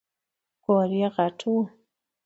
کور یې غټ و .